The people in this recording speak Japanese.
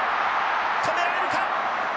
止められるか？